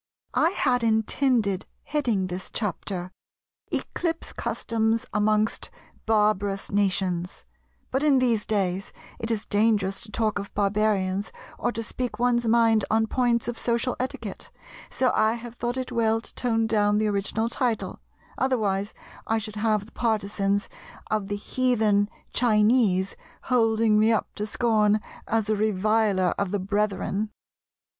I had intended heading this chapter "Eclipse Customs amongst Barbarous Nations," but in these days it is dangerous to talk of barbarians or to speak one's mind on points of social etiquette so I have thought it well to tone down the original title, otherwise I should have the partisans of the "Heathen Chinee" holding me up to scorn as a reviler of the brethren.